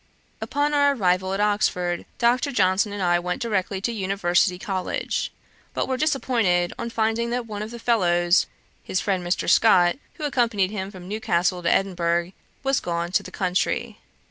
Upon our arrival at Oxford, Dr. Johnson and I went directly to University College, but were disappointed on finding that one of the fellows, his friend Mr. Scott, who accompanied him from Newcastle to Edinburgh, was gone to the country.